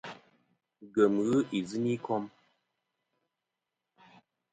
Ngèm ghɨ i yiyn i kom.